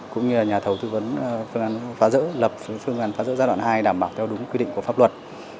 cũng như là nhà thầu tư vấn phương án phá rỡ lập phương án phá rỡ giai đoạn hai đảm bảo theo đúng quy định của pháp luật